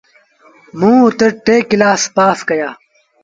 موݩ اُت ٽي ڪلآس پآس ڪيآ۔